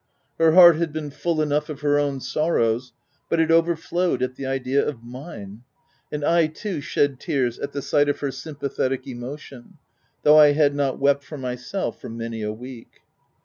Her heart had been full enough of her own sorrows, but it overflowed at the idea of mine ;— and I too, shed tears at the sight of her sympathetic emotion, though 1 had not wept for myself for many a week.